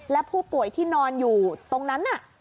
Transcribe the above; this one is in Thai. และผู้ป่วยที่นอนอยู่ตรงนั้นน่ะ